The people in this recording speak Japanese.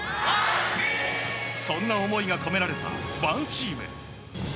そんな思いが込められたＯＮＥＴＥＡＭ。